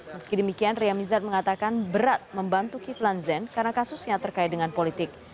meski demikian ria mizar mengatakan berat membantu kiflan zen karena kasusnya terkait dengan politik